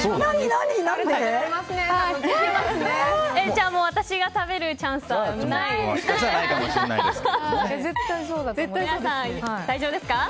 じゃあ私が食べるチャンスはないですね。